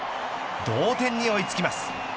同点に追いつきます。